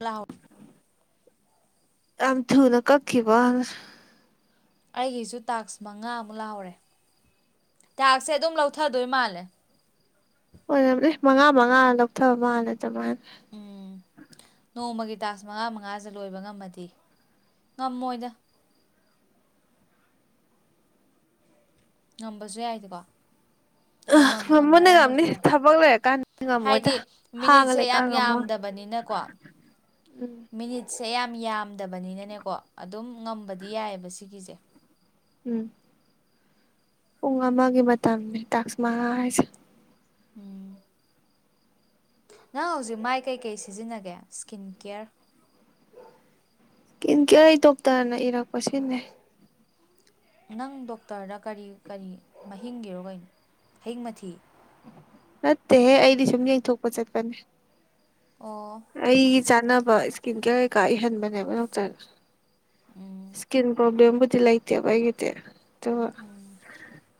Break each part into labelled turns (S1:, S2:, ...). S1: ꯂꯍꯣ
S2: ꯌꯥꯝ ꯊꯨꯅ ꯀꯛꯈꯤꯕ
S1: ꯑꯩꯒꯤꯁꯨ ꯇꯥꯛꯁ ꯃꯉꯥꯃꯨꯛ ꯂꯥꯎꯔꯦ ꯇꯥꯛꯁꯁꯦ ꯑꯗꯨꯝ ꯂꯧꯊꯗꯣꯏ ꯃꯥꯜꯂꯦ
S2: ꯍꯣꯏꯅꯦ ꯃꯉꯥ ꯃꯉꯥ ꯂꯧꯊꯕ ꯃꯥꯜꯂꯦ ꯑꯗꯨꯃꯥꯏꯅ
S1: ꯎꯝ ꯅꯣꯡꯃꯒꯤ ꯇꯖ ꯃꯉꯥ ꯃꯉꯥꯥꯁꯗ ꯂꯣꯏꯕ ꯉꯝꯃꯗꯤ ꯉꯝꯃꯣꯏꯗ ꯉꯝꯕꯁꯨ ꯌꯥꯏꯗꯤꯀꯣ ꯃꯝ
S2: ꯉꯝꯕꯨꯗꯤ
S1: ꯉꯝꯅꯔꯝꯕꯁꯨ
S2: ꯉꯝꯅꯤ
S1: ꯌꯥꯏ
S2: ꯊꯕꯛ ꯂꯩꯔꯀꯥꯟꯗ ꯉꯝꯃꯣꯏꯗ
S1: ꯍꯥꯏꯗꯤ
S2: ꯍꯥꯡꯉ
S1: ꯃꯤꯅꯤꯠꯁꯦ
S2: ꯂꯩꯀꯥꯟ
S1: ꯌꯥꯝ
S2: ꯉꯝꯃꯣꯏ
S1: ꯌꯥꯝꯗꯕꯅꯤꯅꯀꯣ
S2: [unintelligible] [inaudible]
S1: ꯃꯤꯅꯤꯠꯁꯦ ꯌꯥꯝ ꯌꯥꯝꯗꯕꯅꯤꯅꯅꯦꯀꯣ ꯑꯗꯨꯝ ꯉꯝꯕꯗꯤ ꯌꯥꯏꯑꯕ ꯁꯤꯒꯤꯁꯦ
S2: ꯎꯝ ꯄꯨꯡ ꯑꯃꯒꯤ ꯃꯇꯝꯅꯤ ꯇꯥꯛꯁꯃꯉꯥ ꯍꯥꯏꯁꯦ
S1: ꯎꯝ ꯅꯪ ꯍꯧꯖꯤꯛ ꯃꯥꯏ ꯀꯩꯀꯩ ꯁꯤꯖꯤꯟꯅꯒꯦ ꯁ꯭ꯀꯤꯟ ꯀꯦꯌꯔ
S2: ꯏꯤꯟ ꯀꯦ ꯑꯩ ꯗꯣꯛꯇꯔꯅ ꯏꯔꯛꯄꯁꯤꯅꯦ
S1: ꯅꯪ ꯗꯣꯛꯇꯔꯗ ꯀꯔꯤ ꯀꯔꯤ ꯃꯍꯤꯡꯒꯤꯔꯣ ꯀꯩꯅꯣ ꯍꯤꯡꯃꯊꯤ
S2: ꯅꯠꯇꯦꯍꯦ ꯑꯩꯗꯤ ꯁꯨꯝ ꯌꯩꯊꯣꯛꯄ ꯆꯠꯄꯅꯦ
S1: ꯑꯣ
S2: ꯑꯩꯒꯤ ꯆꯥꯅꯕ ꯏꯁꯀꯤꯟ ꯀꯦꯌꯔ ꯀꯩꯀꯥ ꯏꯍꯟꯕꯅꯦꯕ ꯗꯣꯛꯇꯔꯗ
S1: ꯎꯝ
S2: ꯏꯁꯀꯤꯟ ꯄ꯭ꯔꯣꯕ꯭ꯂꯝꯕꯨꯗꯤ ꯂꯥꯏꯇꯦꯕꯒꯤꯗꯦ ꯑꯣ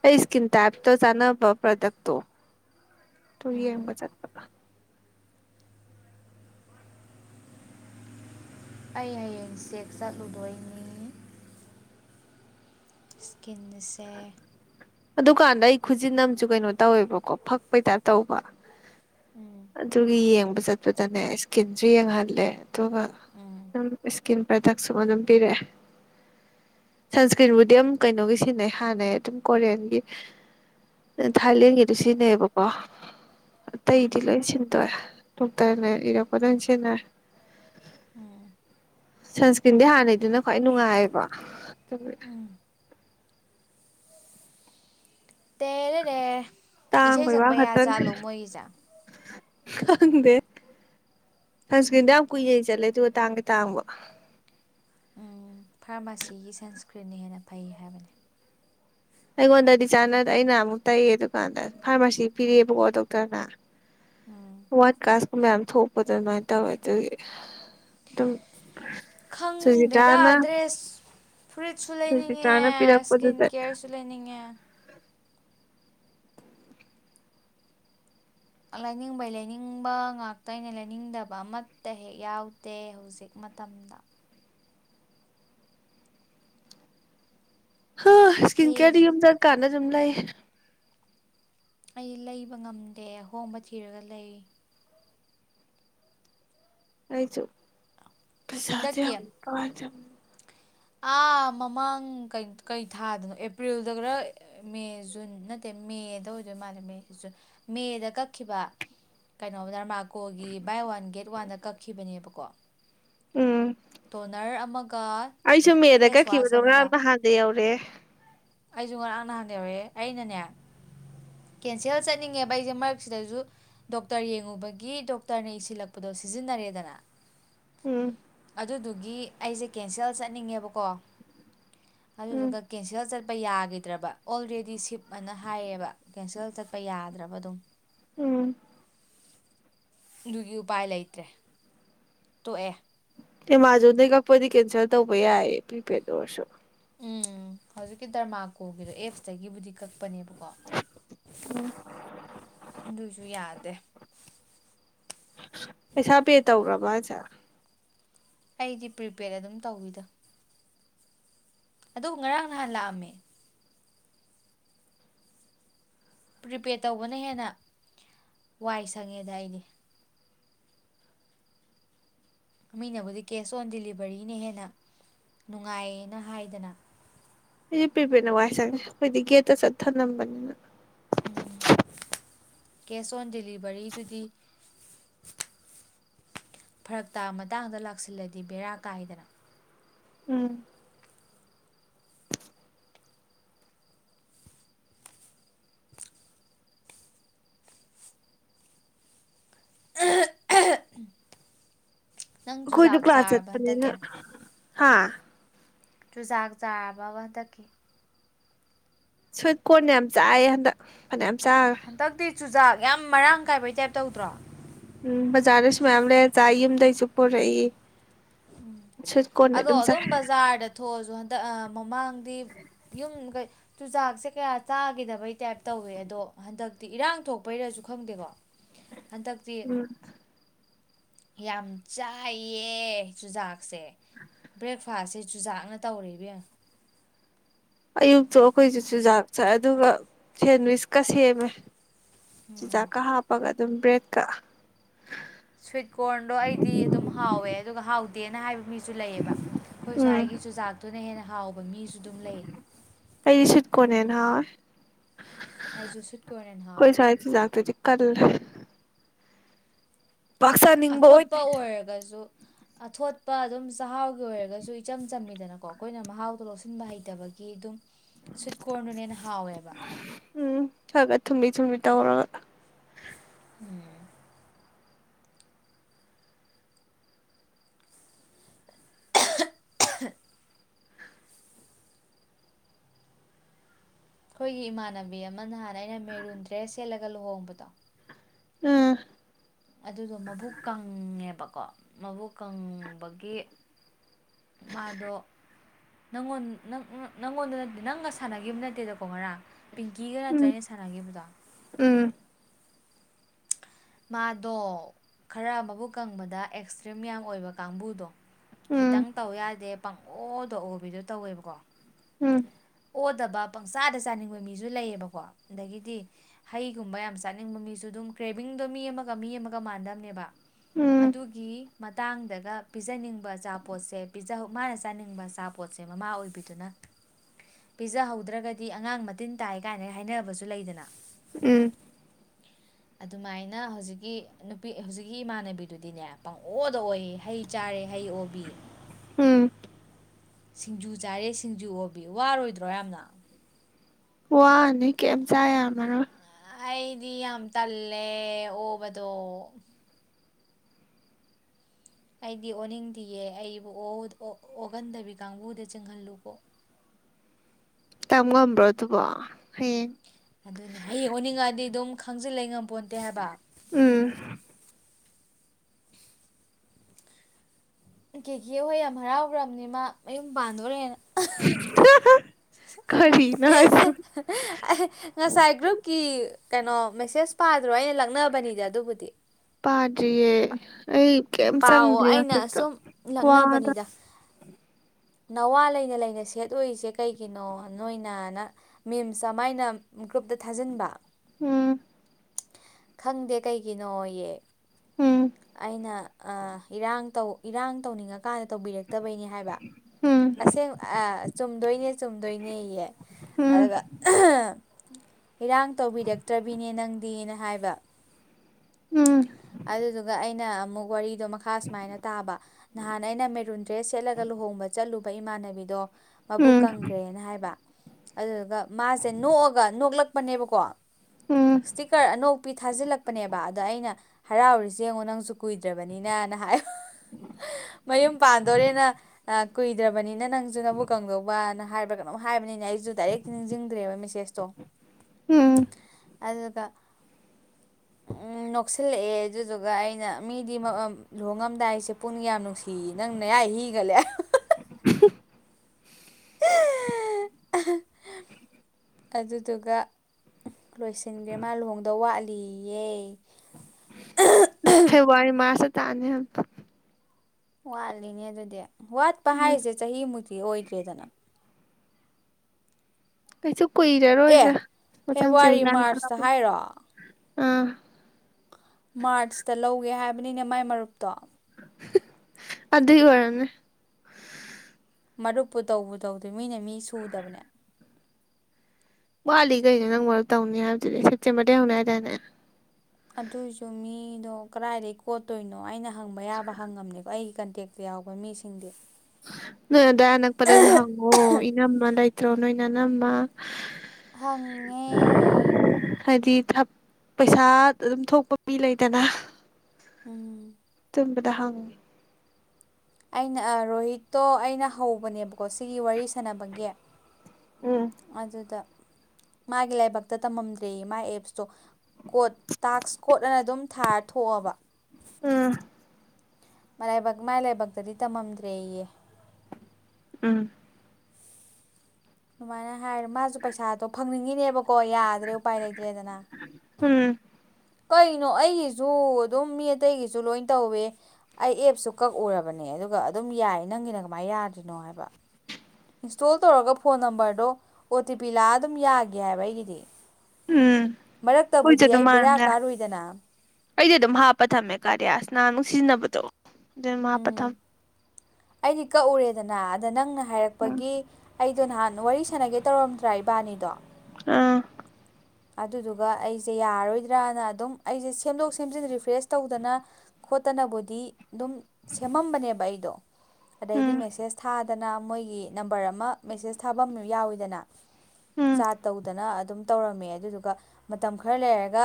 S2: ꯑꯩ ꯏꯁꯀꯤꯟ ꯇꯥꯏꯞꯇ ꯆꯥꯟꯅꯕ ꯄ꯭ꯔꯗꯛꯇꯣ ꯇꯨ
S1: ꯎꯝ
S2: ꯌꯦꯡꯕ ꯆꯠ
S1: ꯑꯩ ꯍꯌꯦꯡ ꯆꯦꯛ ꯆꯠꯂꯨꯕꯣꯏꯅꯤ ꯏꯁꯀꯤꯟꯁꯦ
S2: ꯑꯗꯨꯀꯥꯟꯗ ꯑꯩ ꯈꯨꯖꯤꯟ ꯑꯃꯁꯝꯨ ꯀꯩꯅꯣ ꯇꯧꯋꯦꯕꯀꯣ ꯐꯛꯄꯩꯇꯥꯞ ꯇꯧꯕ
S1: ꯎꯝ
S2: ꯑꯗꯨꯒꯤ ꯌꯦꯡꯕ ꯆꯠꯄꯗꯅꯦ ꯏꯁꯀꯤꯟꯁꯨ ꯌꯦꯡꯍꯜꯂꯦ ꯑꯇ
S1: ꯎꯝ
S2: ꯏꯁꯀꯤꯝ [inaudible] ꯄ꯭ꯔꯗꯛꯁꯨ ꯑꯗꯨꯝ ꯄꯤꯔꯛꯑꯦ ꯁꯟꯁꯀ꯭ꯔꯤꯟꯕꯨꯗꯤ ꯑꯗꯨꯝ ꯀꯩꯅꯣꯒꯤ ꯁꯤꯖꯤꯟꯅꯩ ꯍꯥꯟꯅꯩ ꯑꯗꯨꯝ ꯀꯣꯔꯤꯌꯟꯒꯤ ꯊꯥꯏꯂꯦꯟꯒꯤꯗꯨ ꯁꯤꯖꯤꯟꯅꯩꯕꯀꯣ ꯑꯇꯩꯗꯤ ꯂꯣꯏ ꯁꯤꯟꯗꯣꯛꯑꯦꯣꯛꯇ ꯏꯔꯛꯄ ꯂꯣꯏ ꯁꯤꯖꯤꯟꯅꯔꯦ
S1: ꯎꯝ
S2: ꯁꯟꯁꯀ꯭ꯔꯤꯟꯗꯤ ꯍꯥꯟꯅꯩꯗꯨꯅ ꯈ꯭ꯋꯥꯏ ꯅꯨꯡꯉꯥꯏꯌꯦꯕ
S1: [unintelligible] [inaudible] ꯇꯦꯔꯦꯅꯦ ꯏꯁꯩ
S2: ꯇꯥꯡꯕꯩ ꯋꯥ
S1: ꯁꯛꯄ ꯌꯥ
S2: ꯈꯛꯇꯅꯦ
S1: ꯆꯥꯠꯂꯣ ꯃꯣꯏꯒꯤꯁꯦ
S2: ꯈꯪꯗꯦ ꯁꯪꯁꯀ꯭ꯔꯤꯟꯗꯣ ꯌꯥꯝ ꯀꯨꯏꯅꯩ ꯆꯠꯂꯦ ꯑꯗꯨꯒ ꯇꯥꯡꯒꯦ ꯇꯥꯡꯕ
S1: ꯎ ꯐꯥꯔꯃꯥꯁꯤꯒꯤ ꯁꯟꯁꯀ꯭ꯔꯤꯟꯅ ꯍꯦꯟꯅ ꯐꯩ ꯍꯥꯏꯕꯅꯤ
S2: ꯑꯩꯉꯣꯟꯗꯗꯤ ꯆꯥꯟꯅꯗ ꯑꯩꯅ ꯑꯃꯨꯛ ꯇꯛꯑꯦ ꯑꯗꯨꯀꯥꯟꯗ ꯐꯥꯔꯃꯥꯁꯤ ꯄꯤꯔꯛꯑꯦꯕꯀꯣ ꯑ ꯋꯥꯗꯀꯥꯁ ꯃꯌꯥꯝ ꯊꯣꯛꯄ ꯑꯗꯨ ꯑꯗꯨꯃꯥꯏꯅ ꯇꯧꯋꯦ ꯑꯗꯨꯒꯤ ꯑꯗꯨꯝ
S1: ꯈꯪꯗꯦꯗ
S2: ꯁꯨꯖꯤꯇꯥꯅ
S1: ꯗ꯭ꯔꯦꯁ ꯐ꯭ꯔꯨꯏꯠꯁꯨ ꯂꯩꯅꯤꯡꯉꯦ
S2: ꯁꯨꯖꯤꯇꯥꯅ
S1: ꯏꯁꯀꯤꯟ
S2: ꯄꯤꯔꯛꯄꯗꯨꯗ
S1: ꯀꯦꯌꯔꯁꯨ ꯆ ꯂꯩꯅꯤꯡꯉ [inaudible] ꯂꯥꯏꯅꯤꯡꯕꯩ ꯂꯩꯅꯤꯡꯕ ꯉꯥꯛꯇꯩꯅ ꯂꯩꯅꯤꯡꯗꯕ ꯑꯃꯠꯇ ꯍꯦꯛ ꯌꯥꯎꯗꯦ ꯍꯧꯖꯤꯛ ꯃꯇꯝꯗ
S2: ꯍ ꯏꯁꯀꯤꯟ
S1: ꯀꯦ
S2: ꯀꯦꯌꯔꯗꯤ ꯌꯝ ꯆꯠ ꯀꯥꯟꯅ ꯑꯗꯨꯨꯝꯝ ꯂꯩ
S1: ꯑꯩ ꯂꯩꯕ ꯉꯝꯗꯦ ꯍꯣꯡꯕ ꯊꯤꯔꯒ ꯂꯩ
S2: ꯑꯩꯁꯨ ꯄꯩꯁꯥ
S1: ꯍꯟꯗꯛꯀꯤ
S2: ꯄ
S1: ꯑꯥ ꯃꯃꯥꯡ ꯀꯩ ꯊꯥꯗꯅꯣ ꯑꯦꯄ꯭ꯔꯤꯜꯗ ꯈꯔ ꯃꯦ ꯖꯨꯟ ꯅꯠꯇꯦ ꯃꯦꯗ ꯑꯣꯏꯗꯣꯏ ꯃꯥꯜꯂꯦ ꯃꯦ ꯖꯨꯟ ꯃꯦꯗ ꯀꯛꯈꯤꯕ ꯀꯩꯅꯣ ꯅꯔꯃꯥꯀꯣꯒꯤ ꯕꯥꯏ ꯋꯥꯟ ꯒꯦꯠ ꯋꯥꯟꯗ ꯀꯛꯈꯤꯕꯅꯦꯕꯀꯣ
S2: ꯎꯝ
S1: ꯗꯣꯅꯔ ꯑꯃꯒ
S2: ꯑꯩꯁꯨ ꯃꯦꯗ
S1: ꯐꯦꯁ ꯋꯥꯁ
S2: ꯀꯛꯈꯤꯕꯗꯣ ꯉꯔꯥꯡ
S1: ꯑꯃꯒ
S2: ꯅꯍꯥꯟꯗ ꯌꯧꯔꯦ
S1: ꯑꯩꯁꯨ ꯉꯔꯥꯡ ꯅꯍꯥꯟꯗ ꯌꯧꯔꯛꯑꯦ ꯑꯩꯅꯅꯦ ꯀꯦꯟꯁꯦꯜ ꯆꯠꯅꯤꯡꯉꯦꯕ ꯑꯩꯁꯦ ꯃꯔꯛꯁꯤꯗꯁꯨ ꯗꯣꯛꯇꯔ ꯌꯦꯡꯉꯨꯕꯒꯤ ꯗꯣꯛꯇꯔꯅ ꯏꯁꯤꯜꯂꯛꯄꯗꯣ ꯁꯤꯖꯤꯟꯅꯔꯦꯗꯅ
S2: ꯎꯝ
S1: ꯑꯗꯨꯗꯨꯒꯤ ꯑꯩꯁꯦ ꯀꯦꯟꯁꯦꯜ ꯆꯠꯅꯤꯡꯉꯦꯕꯀꯣ
S2: ꯎꯝ
S1: ꯑꯗꯨꯗꯨꯒ ꯀꯦꯟꯁꯦꯜ ꯆꯠꯄ ꯌꯥꯒꯤꯗ꯭ꯔꯕ ꯑꯣꯜꯔꯦꯗꯤ ꯁꯤꯞ ꯑꯅ ꯍꯥꯏꯌꯦꯕ ꯀꯦꯟꯁꯦꯜ ꯆꯠꯄ ꯌꯥꯗ꯭ꯔꯕ ꯑꯗꯨꯝ
S2: ꯎꯝ
S1: ꯗꯨꯒꯤ ꯎꯄꯥꯏ ꯂꯩꯇ꯭ꯔꯦ ꯇꯣꯛꯑꯦ
S2: ꯑꯦꯃꯥꯖꯣꯟꯗꯩ ꯀꯛꯄꯗꯤ ꯀꯦꯟꯁꯦꯜ ꯇꯧꯕ ꯌꯥꯏꯌꯦ ꯄ꯭ꯔꯤꯄꯦꯗ ꯑꯣꯏꯔꯁꯨ
S1: ꯎꯝ ꯍꯧꯖꯤꯛꯀꯤ ꯗꯔꯃꯥꯀꯣꯒꯤꯗꯣ ꯑꯦꯞꯁꯇꯒꯤꯕꯨꯗꯤ ꯀꯛꯄꯅꯦꯕ ꯑꯗꯨꯁꯨ ꯌꯥꯗꯦ
S2: ꯄꯩꯁꯥ ꯄꯦ ꯇꯧꯒ꯭ꯔꯕꯣ ꯍꯥꯏꯁꯦ
S1: ꯑꯩꯒꯤ ꯄ꯭ꯔꯤꯄꯦꯗ ꯑꯗꯨꯝ ꯇꯧꯏꯗ ꯑꯗꯨ ꯉꯔꯥꯡ ꯅꯍꯥꯟ ꯂꯥꯛꯑꯝꯃꯦ ꯄ꯭ꯔꯤꯄꯦꯗ ꯇꯧꯕꯅ ꯍꯦꯟꯅ ꯋꯥꯏ ꯁꯪꯉꯦꯗ ꯑꯩꯗꯤ ꯃꯤꯅꯕꯨꯗꯤ ꯀꯦꯁ ꯑꯣꯟ ꯗꯤꯂꯤꯚꯔꯤꯅ ꯍꯦꯟꯅ ꯅꯨꯡꯉꯥꯏꯌꯦꯅ ꯍꯥꯏꯗꯅ
S2: ꯑꯩ ꯄ꯭ꯔꯤꯄꯦꯗꯅ ꯋꯥꯏ ꯁꯪꯉꯦ ꯑꯩꯈꯣꯏꯗꯤ ꯒꯦꯠꯇ ꯁꯠ ꯊꯅꯝꯕꯅꯤꯅ
S1: ꯎꯝ ꯀꯦꯁ ꯑꯣꯟ ꯗꯤꯂꯤꯚꯔꯤꯗꯨꯗꯤ ꯐꯔꯛ ꯇꯥ ꯃꯇꯥꯡꯗ ꯂꯥꯛꯁꯤꯜꯂꯗꯤ ꯕꯦꯔꯥ ꯀꯥꯏꯗꯅ
S2: ꯎꯝ
S1: [unintelligible] ꯅꯪ ꯆꯨꯖꯥꯛ ꯆꯥꯔꯕ ꯍꯟꯗꯛꯀꯤ
S2: ꯍꯥꯥ
S1: ꯆꯨꯖꯥꯛ ꯆꯥꯔꯕꯕ ꯍꯟꯗꯛꯀꯤ
S2: ꯁ꯭ꯋꯤꯠ ꯀꯣꯔꯟ ꯌꯥꯝ ꯆꯥꯏꯌꯦ ꯍꯟꯗꯛ ꯐꯅꯌꯥꯝ ꯆꯥ
S1: ꯍꯟꯇꯛꯇꯤ ꯆꯨꯖꯥꯛ ꯌꯥꯝ ꯃꯔꯥꯡ ꯀꯥꯏꯕꯩ ꯇꯥꯏꯞ ꯇꯧꯗ꯭ꯔꯣ
S2: ꯎꯝ ꯕꯖꯥꯔꯗꯁꯨ ꯃꯌꯥꯝ ꯂꯩꯔ ꯆꯥꯏ ꯌꯨꯝꯗꯩꯁꯨ ꯄꯣꯔꯛꯏ
S1: ꯎꯝ ꯑꯗꯣ ꯑꯗꯨꯝ
S2: ꯆꯥꯏ
S1: ꯕꯖꯥꯔꯗ ꯊꯣꯛꯑꯁꯨ ꯍꯟꯗꯛ ꯑ ꯃꯃꯥꯡꯗꯤ ꯌꯨꯝꯒꯩ ꯆꯨꯖꯥꯛꯁꯦ ꯀꯌꯥ ꯆꯥꯒꯤꯗꯕꯩ ꯇꯥꯏꯞ ꯇꯧꯋꯦ ꯑꯗꯣ ꯍꯟꯗꯛꯇꯤ ꯏꯔꯥꯡ ꯊꯣꯛꯄꯩꯔꯁꯨ ꯈꯪꯗꯦꯀꯣ ꯍꯟꯗꯛꯇꯤ
S2: [unintelligible]
S1: ꯌꯥꯝ ꯆꯥꯏꯌꯦ ꯆꯨꯖꯥꯛꯁꯦ ꯕ꯭ꯔꯦꯛꯐꯥꯁꯁꯦ ꯆꯨꯖꯥꯛꯅ ꯇꯧꯔꯦ ꯏꯕꯦꯝ
S2: ꯑꯌꯨꯛꯇꯣ ꯑꯩꯈꯣꯏꯖꯨ ꯆꯨꯖꯥꯛ ꯊ ꯑꯗꯨꯒ ꯁꯦꯟꯋꯤꯁꯀ ꯁꯦꯝꯃꯦ ꯆꯨꯖꯥꯛꯀ ꯍꯥꯞꯄꯒ ꯑꯗꯨꯝ ꯕ꯭ꯔꯦꯗꯀ
S1: ꯁ꯭ꯋꯤꯠ ꯀꯣꯔꯟꯗꯣ ꯑꯩꯗꯤ ꯑꯗꯨꯝ ꯍꯥꯎꯋꯦ ꯑꯗꯨꯒ ꯍꯥꯎꯇꯦꯅ ꯍꯥꯏꯕ ꯃꯤꯁ ꯁꯨ ꯂꯩꯌꯦꯕ ꯑꯩꯈꯣꯏ
S2: ꯎꯝ
S1: ꯁ꯭ꯋꯥꯏꯒꯤ ꯆꯨꯖꯥꯛꯇꯨꯅ ꯍꯦꯟꯅ ꯍꯥꯎꯕ ꯃꯤꯁꯨ ꯑꯗꯨꯝ ꯂꯩ
S2: ꯑꯩꯗꯤ ꯁ꯭ꯋꯤꯠ ꯀꯣꯔꯟꯅ ꯍꯦꯟꯅ ꯍꯥꯎꯑꯦ
S1: ꯑꯩꯖꯨ ꯁ꯭ꯋꯤꯠ ꯀꯣꯔꯟꯅ ꯍꯦꯟ ꯍꯥꯎꯑꯦ
S2: [unintelligible] ꯀꯜꯂꯦ ꯄꯥꯛ ꯆꯥꯅꯤꯡꯕ
S1: ꯑꯊꯣꯠꯄ
S2: ꯑꯣꯏꯗꯦ
S1: ꯑꯣꯏꯔꯒꯖꯨ ꯑꯊꯣꯠꯄ ꯑꯗꯨꯝ ꯆꯥꯛꯍꯥꯎꯒꯤ ꯑꯣꯏꯔꯒꯁꯨ ꯏꯆꯝ ꯆꯝꯃꯤꯗꯅꯀꯣ ꯈꯣꯏꯅ ꯃꯍꯥꯎꯗꯣ ꯂꯧꯁꯤꯟꯕ ꯍꯩꯇꯕꯒꯤ ꯗꯨꯝ ꯁ꯭ꯋꯤꯠ ꯀꯣꯔꯟꯗꯨꯅ ꯍꯦꯟ ꯍꯥꯎꯋꯦꯕ
S2: ꯎꯝ ꯈꯒ ꯊꯨꯝꯂꯤ ꯊꯨꯝꯂꯤ ꯇꯧꯔꯒ
S1: ꯎꯝ [unintelligible] ꯈꯣꯏꯒꯤ ꯏꯃꯥꯟꯅꯕꯤ ꯑꯃ ꯅꯍꯥꯟ ꯑꯩꯅ ꯃꯦꯔꯨꯟ ꯗ꯭ꯔꯦꯁ ꯁꯦꯠꯂꯒ ꯂꯨꯍꯣꯡꯕꯗꯣ
S2: ꯎꯝ
S1: ꯑꯗꯨꯗꯣ ꯃꯕꯨꯛ ꯀꯪꯉꯦꯕꯀꯣ ꯃꯕꯨꯛ ꯀꯪꯕꯒꯤ ꯃꯥꯗꯣ ꯅꯪꯉꯣꯟ ꯅꯪ ꯑ ꯅꯪꯉꯣꯟꯗ ꯅꯠꯇ ꯅꯪꯒ ꯁꯥꯟꯅꯒꯤꯕ ꯅꯠꯇꯦꯗꯀꯣ ꯉꯔꯥꯡ ꯄꯤꯡꯀꯤꯒ ꯅꯠꯇ꯭ꯔ
S2: ꯎꯝ
S1: ꯑꯩꯅ ꯁꯥꯟꯅꯒꯤꯕꯗꯣ
S2: ꯎꯝ
S1: ꯃꯥꯗꯣ ꯈꯔ ꯃꯕꯨꯛ ꯀꯪꯕꯗ ꯑꯦꯛꯁꯇ꯭ꯔꯤꯝ ꯌꯥꯝ ꯑꯣꯏꯕ ꯀꯥꯡꯕꯨꯗꯣ
S2: ꯎꯝ
S1: ꯈꯤꯇꯪ ꯇꯧ ꯌꯥꯗꯦ ꯄꯪꯑꯣꯗ ꯑꯣꯕꯤꯗꯣ ꯇꯧꯋꯦꯕꯀꯣ
S2: ꯎꯝ
S1: ꯑꯣꯗꯕ ꯄꯪꯁꯥꯗ ꯆꯥꯅꯤꯡꯕ ꯃꯤꯁꯨ ꯂꯩꯌꯦꯕꯀꯣ ꯑꯗꯒꯤꯗꯤ ꯍꯩꯒꯨꯝꯕ ꯌꯥꯝ ꯆꯥꯅꯤꯡꯕ ꯃꯤꯁꯨ ꯑꯗꯨꯝ ꯀ꯭ꯔ ꯃꯤꯡꯗꯣ ꯃꯤ ꯑꯃꯒ ꯃꯤ ꯑꯃꯒ ꯃꯥꯟꯗꯝꯕꯅꯦꯕ
S2: ꯎꯝ
S1: ꯑꯗꯨꯒꯤ ꯃꯇꯥꯡꯗꯒ ꯄꯤꯖꯅꯤꯡꯕ ꯑꯆꯥꯄꯣꯠꯁꯦ ꯄꯤꯖꯍꯧ ꯃꯥꯅ ꯆꯥꯅꯤꯡꯕ ꯑꯆꯥꯄꯣꯠꯁꯦ ꯃꯃꯥ ꯑꯣꯏꯕꯤꯗꯨꯅ
S2: [inaudible]
S1: ꯄꯤꯖꯍꯧꯗ꯭ꯔꯒꯗꯤ ꯑꯉꯥꯡ ꯃꯇꯤꯟ ꯇꯥꯏ ꯀꯥꯏꯅ ꯍꯥꯏꯅꯕꯁꯨ ꯂꯩꯗꯅ
S2: ꯎꯝ
S1: ꯑꯗꯨꯃꯥꯏꯅ ꯍꯧꯖꯤꯛꯀꯤ ꯅꯨꯄꯤ ꯍꯧꯖꯤꯛꯀꯤ ꯏꯃꯥꯟꯅꯕꯤꯗꯨꯗꯤꯅꯦ ꯄꯪꯑꯣꯗ ꯑꯣꯏꯌꯦ ꯍꯩ ꯆꯥꯔꯦ ꯍꯩ ꯑꯣꯕꯤ
S2: ꯎꯝ
S1: ꯁꯤꯡꯖꯨ ꯆꯥꯔꯦ ꯁꯤꯡꯖꯨ ꯑꯣꯕꯤ ꯋꯥꯔꯣꯏꯗ꯭ꯔꯣ ꯌꯥꯝꯅ
S2: ꯋꯥꯅꯤ ꯀꯦꯝ ꯆꯥ ꯌꯥꯔꯝꯃꯔꯣꯏ
S1: ꯑꯩꯗꯤ ꯌꯥꯝ ꯇꯜꯂꯦ ꯑꯣꯕꯗꯣ ꯑꯩꯗꯤ ꯑꯣꯅꯤꯡꯗꯌꯦ ꯑꯩꯕꯨ ꯑꯣ ꯑꯣꯍꯟꯗꯕꯤ ꯀꯥꯡꯕꯨꯗ ꯆꯤꯡꯍꯜꯂꯨꯀꯣ
S2: ꯇꯝ ꯉꯝꯕ꯭ꯔꯣ ꯑꯗꯨꯕꯣ ꯍꯌꯦꯡ
S1: ꯑꯗꯨꯅꯤ ꯍꯌꯦꯡ ꯑꯣꯅꯤꯡꯉꯛꯑꯗꯤ ꯑꯗꯨꯝ ꯈꯪꯖꯤꯜꯂꯩ ꯉꯝꯄꯣꯟꯇꯦ ꯍꯥꯏꯕ
S2: ꯎꯝ
S1: [inaudible] ꯀꯦꯀꯦ ꯍꯣꯏ ꯌꯥꯝ ꯍꯔꯥꯎꯒꯔꯝꯅꯤ ꯃꯥ ꯃꯌꯨꯝ ꯄꯥꯟꯗꯣꯔꯦꯅ
S2: ꯀꯔꯤꯅꯣ ꯍꯥꯏꯁꯦ
S1: ꯑꯦ ꯉꯁꯥꯏ ꯒ꯭ꯔꯨꯞꯀꯤ ꯀꯩꯅꯣ ꯃꯦꯁꯦꯁ ꯄꯥꯗ꯭ꯔꯣ ꯑꯩꯅ ꯂꯛꯅꯕꯅꯤꯗ ꯑꯗꯨꯕꯨꯗꯤ
S2: ꯄꯥꯗꯔ꯭ꯤꯌꯦ ꯑꯩ ꯀꯩꯝ
S1: ꯄꯥꯎꯑꯣ
S2: ꯆꯪꯗ꯭ꯔꯤ
S1: ꯑꯩꯅ
S2: ꯋꯥꯆꯞꯇ
S1: ꯁꯨꯝ
S2: ꯋꯥꯗ
S1: ꯂꯛꯅꯕꯅꯤꯗ ꯅꯋꯥ ꯂꯩꯅ ꯂꯩꯅ ꯁꯦꯠꯑꯣꯏꯔꯤꯁꯦ ꯀꯩꯒꯤꯅꯣ ꯅꯣꯏꯅ ꯅ ꯃꯦꯝꯁ ꯑꯃꯑꯩꯅ ꯒ꯭ꯔꯨꯞꯇ ꯊꯥꯖꯤꯟꯕ
S2: ꯎꯝ
S1: ꯈꯪꯗꯦ ꯀꯩꯒꯤꯅꯣꯌꯦ
S2: ꯎꯝ
S1: ꯑꯩꯅ ꯏꯔꯥꯡ ꯇꯧ ꯏꯔꯥꯡ ꯇꯧꯅꯤꯡꯉꯛ ꯀꯥꯟꯅ ꯇꯧꯕꯤꯔꯛꯇꯕꯩꯅꯤ ꯍꯥꯏꯕ
S2: ꯎꯝ
S1: ꯑꯁꯦꯡ ꯆꯨꯝꯗꯣꯏꯅꯦ ꯆꯨꯝꯗꯣꯏꯅꯦꯌꯦ
S2: ꯎꯝ
S1: ꯑꯗꯨꯒ ꯏꯔꯥꯡ ꯇꯧꯕꯤꯔꯛꯇ꯭ꯔꯕꯤꯅꯦ ꯅꯪꯗꯤꯅ ꯍꯥꯏꯕ
S2: ꯎꯝ
S1: ꯑꯗꯨꯗꯨꯒ ꯑꯩꯅ ꯑꯃꯨꯛ ꯋꯥꯔꯤꯗꯣ ꯃꯈꯥ ꯁꯨꯃꯥꯏꯅ ꯇꯥꯕ ꯅꯍꯥꯟ ꯑꯩꯅ ꯃꯦꯔꯨꯟ ꯗ꯭ꯔꯦꯁ ꯁꯦꯠꯂꯒ ꯂꯨꯍꯣꯡꯕ ꯆꯠꯂꯨꯕ ꯏꯃꯥꯟꯅꯕꯤꯗꯣ ꯃꯕꯨꯛ
S2: ꯎꯝ
S1: ꯀꯪꯈ꯭ꯔꯦꯅ ꯍꯥꯏꯕ ꯑꯗꯨꯗꯨꯒ ꯃꯥꯁꯦ ꯅꯣꯛꯑꯒ ꯅꯣꯛꯂꯛꯄꯅꯦꯕꯀꯣ
S2: ꯎꯝ
S1: ꯏꯁꯇꯤꯀꯔ ꯑꯅꯣꯛꯄꯤ ꯊꯥꯖꯤꯜꯂꯛꯄꯅꯦꯕ ꯑꯗ ꯑꯩꯅ ꯍꯔꯥꯎꯔꯤꯁꯤ ꯌꯦꯡꯉꯣ ꯅꯪꯁꯨ ꯀꯨꯏꯗ꯭ꯔꯕꯅꯤꯅꯅ ꯍꯥꯏ ꯌꯨꯝ ꯄꯥꯟꯗꯣꯔꯦꯅ ꯀꯨꯏꯗ꯭ꯔꯕꯅꯤꯅ ꯅꯪꯁꯨ ꯅꯪꯕꯨꯛ ꯀꯪꯗꯧꯕꯅ ꯍꯥꯏꯕ ꯀꯩꯅꯣꯝ ꯍꯥꯏꯕꯅꯤꯅ ꯑꯩꯁꯨ ꯗꯥꯏꯔꯦꯛꯇꯤ ꯅꯤꯡꯁꯤꯡꯗ꯭ꯔꯦꯕ ꯃꯦꯁꯦꯁꯇꯣ
S2: ꯎꯝ
S1: ꯑꯗꯨꯒ ꯎꯝ ꯅꯣꯛꯁꯤ ꯁꯤꯜꯂꯛꯑꯦ ꯑꯗꯨꯗꯨꯒ ꯑꯩꯅ ꯃꯤꯗꯤ ꯂꯨꯍꯣꯡꯉꯝꯗꯥꯏꯁꯦ ꯄꯨꯛꯅꯤꯡ ꯌꯥꯝ ꯅꯨꯡꯁꯤꯌꯦ ꯅꯪ ꯅꯌꯥ ꯏꯍꯤ ꯍꯤꯒꯠꯂꯦ [unintelligible] ꯑꯗꯨꯗꯨꯒ ꯂꯣꯏꯁꯤꯟꯈ꯭ꯔꯦ ꯃꯥ ꯂꯨꯍꯣꯡꯗꯧ ꯋꯥꯠꯂꯤꯌꯦ
S2: ꯍꯉꯦꯡꯋꯥꯏ ꯃꯥꯁꯨ ꯇꯥꯅꯤ
S1: ꯋꯥꯠꯂꯤꯅꯦ ꯑꯗꯨꯗꯤ ꯋꯥꯠꯄ
S2: ꯎꯝ
S1: ꯍꯥꯏꯁꯦ ꯆꯍꯤꯃꯨꯛꯇꯤ ꯑꯣꯏꯗ꯭ꯔꯦꯗꯅ
S2: ꯀꯩꯁꯨ
S1: ꯑꯦ
S2: ꯀꯨꯏꯔꯔꯣꯏꯗ ꯃꯊꯪ ꯆꯍꯤ
S1: ꯐꯦꯕꯋꯥꯔꯤ
S2: ꯀꯥꯟ
S1: ꯃꯥꯔꯁꯇ
S2: ꯈꯜꯂꯛꯄ
S1: ꯍꯥꯏꯔꯣ
S2: ꯑꯥ
S1: ꯃꯥꯔꯆꯇ ꯂꯧꯒꯦ ꯍꯥꯏꯕꯅꯤꯅꯦ ꯃꯥꯏ ꯃꯔꯨꯞꯇꯣ
S2: ꯑꯗꯨꯏ ꯑꯣꯏꯔꯝꯅꯤ
S1: ꯃꯔꯨꯞꯄꯨ ꯇꯧꯕꯨ ꯇꯧꯗꯔꯤ ꯃꯤꯅ ꯃꯤ ꯁꯨꯗꯕꯅꯦ
S2: ꯋꯥꯠꯂꯤ ꯀꯩꯅꯣ ꯅꯪ ꯃꯔꯨꯞ ꯇꯧꯅꯤ ꯍꯥꯏꯕꯗꯨꯗꯤ ꯁꯦꯞꯇꯦꯝꯕꯔꯗꯩ ꯍꯧꯅꯤ ꯍꯥꯏꯗꯥꯏꯅꯦ
S1: ꯑꯗꯨꯏꯁꯨ ꯃꯤꯗꯣ ꯀꯗꯥꯏꯗꯒꯤ ꯀꯣꯠꯇꯣꯏꯅꯣ ꯑꯩꯅ ꯍꯪꯕ ꯌꯥꯕ ꯍꯪꯉꯝꯅꯦꯕꯣ ꯑꯩꯒꯤ ꯀꯟꯇꯦꯛ ꯌꯥꯎꯕ ꯃꯤꯁꯤꯡꯗꯤ
S2: ꯅꯣꯏ ꯑꯗꯥꯏ ꯑꯅꯛꯄꯗꯁꯨ ꯍꯪꯉꯣ ꯏꯅꯝꯃ ꯂꯩꯇ꯭ꯔꯣ ꯅꯣꯏꯅ ꯅꯅꯝꯃ
S1: ꯍꯪꯉꯦ
S2: ꯍꯥꯏꯗꯤ ꯊ ꯄꯩꯁꯥ ꯑꯗꯨꯝ ꯊꯣꯛꯄ ꯃꯤ ꯂꯩꯗꯅ
S1: [unintelligible]
S2: ꯗꯨꯝꯕꯗ ꯍꯪ
S1: ꯑꯩꯅ ꯔꯣꯍꯤꯠꯇꯣ ꯑꯩꯅ ꯍꯧꯕꯅꯦꯕꯀꯣ ꯁꯤꯒꯤ ꯋꯥꯔꯤ ꯁꯥꯟꯅꯕꯒꯤ
S2: ꯎꯝ
S1: ꯑꯗꯨꯗ ꯃꯥꯒꯤ ꯂꯥꯏꯕꯛꯇ ꯇꯝꯃꯝꯗ꯭ꯔꯦ ꯃꯥꯒꯤ ꯑꯦꯞꯁꯇꯣ ꯀꯣꯠ ꯇꯥꯛꯁ ꯀꯣꯠ ꯑꯅ ꯑꯗꯨꯝ ꯊꯥꯔ ꯊꯣꯛꯑꯕ
S2: ꯎꯝ
S1: ꯥꯃꯔꯥꯏꯕꯛ ꯃꯥꯏ ꯂꯥꯏꯕꯛꯇꯗꯤ ꯇꯝꯃꯝꯗ꯭ꯔꯦ ꯌꯦ
S2: ꯎꯝ
S1: ꯑꯗꯨꯃꯥꯏꯅ ꯍꯥꯏꯔ ꯃꯥꯁꯨ ꯄꯩꯁꯥꯗꯣ ꯐꯪꯅꯤꯡꯉꯤꯅꯦꯕꯀꯣ ꯌꯥꯗ꯭ꯔꯦ ꯎꯄꯥꯏ ꯂꯩꯇ꯭ꯔꯦꯗꯅ
S2: ꯎꯝ
S1: ꯀꯩꯅꯣ ꯑꯩꯒꯤꯁꯨ ꯑꯗꯨꯝ ꯃꯤ ꯑꯇꯩꯒꯤꯁꯨ ꯂꯣꯏ ꯇꯧꯋꯦ ꯑꯩ ꯑꯦꯞꯁꯨ ꯀꯛꯎꯔꯕꯅꯦ ꯑꯗꯨꯒ ꯑꯗꯨꯝ ꯌꯥꯏ ꯅꯪꯒꯤꯅ ꯀꯃꯥꯏꯅ ꯌꯥꯗ꯭ꯔꯤꯅꯣ ꯍꯥꯏꯕ ꯏꯟꯁꯇꯣꯜ ꯇꯧꯔꯒ ꯐꯣꯟ ꯅꯝꯕꯔꯗꯣ ꯑꯣ ꯇꯤ ꯄꯤ ꯂꯥꯛꯑ ꯑꯗꯨꯝ ꯌꯥꯒꯤ ꯍꯥꯏꯕ ꯑꯩꯒꯤꯗꯤ
S2: ꯎꯝ ꯃꯣꯏꯁꯨ
S1: ꯃꯔꯛꯇꯕꯨꯗꯤ
S2: ꯑꯗꯨꯝ
S1: ꯑꯩ ꯕꯦꯔꯥ
S2: ꯃꯥꯟꯅ
S1: ꯀꯥꯔꯨꯏꯗꯅ
S2: ꯑꯩꯗꯤ ꯑꯗꯨꯝ ꯍꯥꯞꯄ ꯊꯝꯃꯦ ꯀꯥꯔꯤꯌꯥꯁ ꯅꯍꯥꯟ ꯃꯨꯛ ꯁꯤꯖꯤꯟꯅꯕꯗꯣ ꯑꯗꯨ ꯑꯗꯨꯝ ꯍꯥꯞꯄ
S1: ꯎꯝ
S2: ꯊꯝꯃꯦ
S1: ꯑꯩꯗꯤ ꯀꯛꯎꯔꯦꯗꯅ ꯑꯗ ꯅꯪꯅ
S2: ꯎꯝ
S1: ꯍꯥꯏꯔꯛꯄꯒꯤ ꯑꯩꯗꯣ ꯅꯍꯥꯟ ꯋꯥꯔꯤ ꯁꯥꯟꯅꯒꯦ ꯇꯧꯔꯝꯗꯔꯥ ꯏꯕꯥꯅꯤꯗꯣ
S2: ꯑꯥ
S1: ꯑꯗꯨꯗꯨꯒ ꯑꯩꯁꯦ ꯌꯥꯔꯣꯏꯗ꯭ꯔꯅ ꯑꯗꯨꯝ ꯑꯩꯁꯦ ꯁꯦꯝꯗꯣꯛ ꯁꯦꯝꯖꯤꯟ ꯔꯤꯐ꯭ꯔꯦꯁ ꯇꯧꯗꯅ ꯈꯣꯠꯇꯅꯕꯨꯗꯤ ꯑꯗꯨꯝ ꯁꯦꯝꯃꯝꯕꯅꯦꯕ ꯑꯩꯗꯣ ꯑꯗꯩꯗꯤ
S2: ꯎꯝ
S1: ꯃꯦꯁꯦꯁ ꯊꯥꯗ ꯗꯇꯅ ꯃꯣꯏꯒꯤ ꯅꯝꯕꯔ ꯑꯃ ꯃꯦꯁꯦꯁ ꯊꯥꯐꯝ ꯌꯥꯎꯋꯤꯗꯅ
S2: ꯎꯝ
S1: ꯆꯥꯠ ꯇꯧꯗꯅ ꯑꯗꯨꯝ ꯇꯧꯔꯝꯃꯦ ꯑꯗꯨꯗꯨꯒ ꯃꯇꯝ ꯈꯔ ꯂꯩꯔꯒ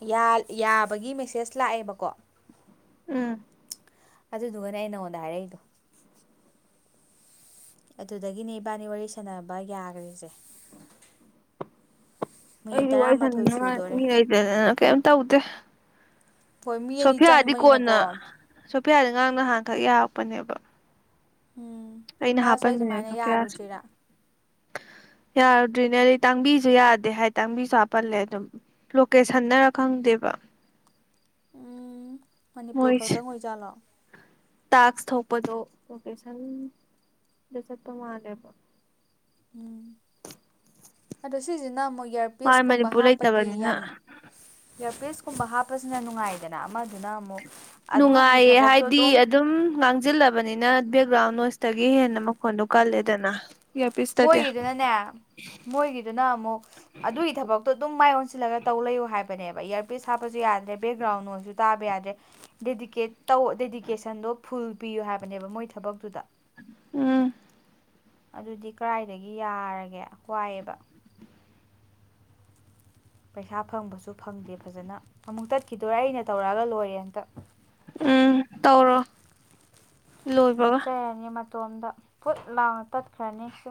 S1: ꯌꯥ ꯌꯥꯕꯒꯤ ꯃꯦꯁꯦꯁ ꯂꯥꯛꯑꯦꯕꯀꯣ
S2: ꯎꯝ
S1: ꯑꯗꯨꯗꯨꯒꯅꯦ ꯑꯩ ꯅꯉꯣꯟꯗ ꯍꯥꯏꯔꯛꯏꯗꯣ ꯑꯗꯨꯗꯒꯤꯅꯦ ꯏꯕꯥꯅꯤ ꯋꯥꯔꯤ ꯁꯥꯟꯅꯕ ꯌꯥꯒ꯭ꯔꯤꯁꯦ ꯃꯤꯅꯤꯠ
S2: ꯑꯩꯗꯤ ꯋꯥꯔꯤ
S1: ꯇꯔꯥꯃꯥꯊꯣꯏ
S2: ꯁꯅꯅꯤꯡꯉꯥꯏ
S1: ꯁꯨꯗꯣꯔꯦ
S2: ꯃꯤ ꯂꯩꯇꯗꯅ ꯀꯩꯝ ꯇꯧꯗꯦ
S1: ꯍꯣꯏ ꯃꯤ ꯑꯅꯤ
S2: ꯁꯣꯐꯤꯌꯥꯗꯤ ꯀꯣꯟꯅ
S1: ꯆꯪꯕꯅꯤꯅꯀꯣ
S2: ꯁꯣꯐꯤꯌꯥꯗꯤ ꯉꯥꯡ ꯅꯍꯥꯟꯈꯛ ꯌꯥꯔꯛꯄꯅꯦꯕ
S1: [inaudible]
S2: ꯑꯩꯅ
S1: ꯃꯥꯁꯨ ꯑꯩ
S2: ꯍꯥꯞꯄꯟꯕꯅꯦ
S1: ꯁꯨꯃꯥꯏꯅ
S2: ꯁꯦꯐꯤꯌꯥꯁꯨ
S1: ꯌꯥꯔꯨꯗ꯭ꯔꯤꯔꯥ
S2: ꯌꯥꯔꯨꯗ꯭ꯔꯤꯅꯦꯗꯤ ꯇꯥꯡꯕꯤꯁꯨ ꯌꯥꯗꯦ ꯍꯥꯏ ꯇꯥꯡꯕꯤꯁꯨ ꯍꯥꯞꯄꯜꯂꯦ ꯑꯗꯨꯝ ꯂꯣꯀꯦꯁꯟꯅꯔ ꯈꯪꯗꯦꯕ
S1: ꯎꯝ ꯃꯅꯤꯄꯨꯔ
S2: ꯃꯣꯏꯁꯦ
S1: ꯈꯛꯇꯪ ꯑꯣꯏꯖꯥꯠꯂꯣ
S2: ꯇꯥꯛꯁ ꯊꯣꯛꯄꯗꯣ ꯚꯣꯀꯦꯁꯟꯗ ꯆꯠꯄ ꯃꯥꯜꯂꯦꯕ
S1: ꯎꯝ ꯑꯗꯣ ꯁꯤꯁꯤꯅ ꯑꯃꯨꯛ
S2: ꯃꯥ
S1: ꯏꯌꯥꯔꯄꯤꯁꯀꯨꯝꯕ
S2: ꯃꯅꯤꯄꯨꯔ
S1: ꯍꯥꯞꯄꯒꯤ
S2: ꯂꯩꯇꯕꯅꯤꯅ
S1: ꯌꯥꯝ ꯏꯌꯥꯔꯄꯤꯁ ꯀꯨꯝꯕ ꯍꯥꯞꯄꯁꯤꯅ ꯅꯨꯡꯉꯥꯏꯗꯅ ꯑꯃꯗꯨꯅ ꯑꯃꯨꯛ ꯑꯗꯨꯒꯤ
S2: ꯅꯨꯡꯉꯥꯏꯌꯦ
S1: ꯊꯕꯛꯇꯣ
S2: ꯍꯥꯏꯗꯤ ꯑꯗꯨꯝ ꯉꯥꯡꯁꯤꯜꯂ ꯐꯕꯅꯤꯅ ꯕꯦꯛꯒ꯭ꯔꯥꯎꯟ ꯅꯣꯏꯁꯇꯒꯤ ꯍꯦꯟꯅ ꯃꯈꯣꯟꯗꯣ ꯀꯜꯂꯦꯗꯅ ꯏꯌꯥꯔꯄꯤꯁꯇꯗꯤ
S1: ꯑꯗꯨꯅꯦ ꯃꯣꯏꯒꯤꯗꯨꯅ ꯑꯃꯨꯛ ꯑꯗꯨꯒꯤ ꯊꯕꯛꯇꯣ ꯑꯗꯨꯝ ꯃꯥꯏ ꯑꯣꯟꯁꯤꯜꯂꯒ ꯇꯧ ꯂꯩꯌꯨ ꯍꯥꯏꯕꯅꯦꯕ ꯏꯌꯥꯔꯄꯤꯁ ꯍꯥꯞꯄꯁꯨ ꯌꯥꯗ꯭ꯔꯦ ꯕꯦꯛꯒ꯭ꯔꯥꯎꯟ ꯑꯣꯏꯁꯨ ꯇꯥꯕ ꯌꯥꯗ꯭ꯔꯦ ꯗꯦꯗꯤꯀꯦꯠ ꯇꯧ ꯗꯦꯗꯤꯀꯦꯁꯟꯗꯣ ꯐꯨꯜ ꯄꯤꯌꯨ ꯍꯥꯏꯕꯅꯦꯕ ꯃꯣꯏ ꯊꯕꯛꯇꯨꯗ
S2: ꯎꯝ
S1: ꯑꯗꯨꯗꯤ ꯀꯗꯥꯏꯗꯒꯤ ꯌꯥꯔꯒꯦ ꯋꯥꯏꯑꯦꯕ ꯄꯩꯁꯥ ꯐꯪꯕꯁꯨ ꯐꯪꯗꯦ ꯐꯖꯅ ꯑꯃꯨꯛ ꯇꯠꯈꯤꯗꯣꯏꯔꯦ ꯑꯩꯅ ꯇꯧꯔꯛꯑꯒ ꯂꯣꯏꯔꯦ ꯑꯝꯇ
S2: ꯎꯝ ꯇꯧꯔꯣ ꯂꯣꯏꯕꯒ
S1: ꯃꯇꯣꯝꯇ ꯐꯨꯠ ꯂꯥꯎꯅ ꯇꯥꯠꯈꯔꯥꯅꯤ ꯑꯃꯨꯛꯁꯨ